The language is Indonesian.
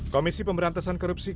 komisi pemberantasan korupsi